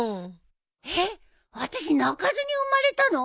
えっ私泣かずに生まれたの？